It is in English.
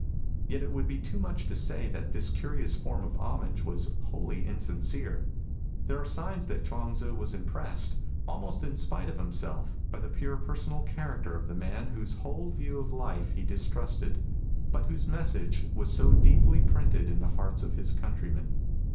Yet it would be too much to say that this curious form of homage was wholly insincere. There are signs that Chuang Tzu was impressed, almost in spite of himself, by the pure personal character of the man whose whole view of life he distrusted, but whose message was so deeply printed in the hearts of his countrymen.